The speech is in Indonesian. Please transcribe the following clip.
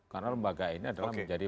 karena lembaga ini adalah menjadi